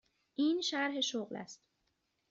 این شرح شغل است.